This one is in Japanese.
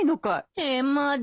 ええまだ。